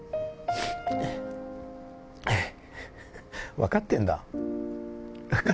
分かってんだ？